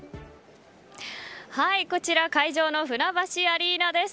こちら会場の船橋アリーナです。